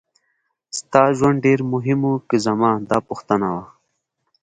ستا ژوند ډېر مهم و که زما دا پوښتنه وه.